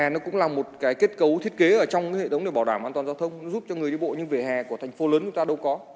nó là một cái kết cấu thiết kế ở trong cái hệ thống để bảo đảm an toàn giao thông giúp cho người đi bộ nhưng vỉa hè của thành phố lớn của ta đâu có